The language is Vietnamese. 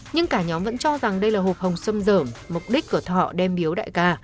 nhưng cả nhóm vẫn cho rằng đây là hộp hồng sâm rởm mục đích của thọ đem biếu đại ca